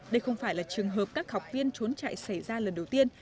đây không phải là trường hợp các học viên trốn chạy xảy ra lần đầu tiên